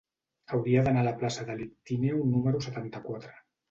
Hauria d'anar a la plaça de l'Ictíneo número setanta-quatre.